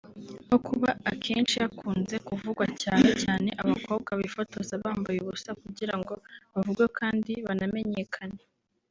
nko kuba akenshi hakunze kuvugwa cyane cyane abakobwa bifotoza bambaye ubusa kugirango bavugwe kandi banamenyekane